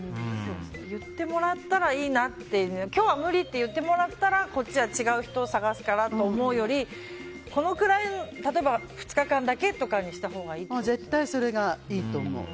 言ってもらったらいいなって今日は無理って言ってもらったらこっちは違う人を探すからと思うより例えば２日間だけにしたほうが絶対それがいいと思う。